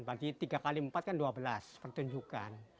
bagi tiga kali empat kan dua belas pertunjukan